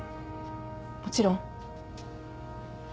もちろん。